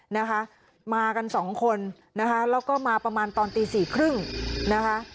นะคะมากันสองคนนะคะแล้วก็มาประมาณตอนตีสี่ครึ่งนะคะ